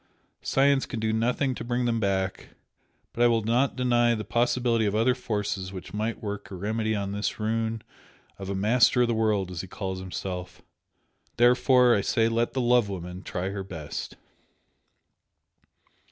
Science can do nothing to bring them back, but I will not deny the possibility of other forces which might work a remedy on this ruin of a 'master of the world' as he calls himself! Therefore I say let the love woman try her best!"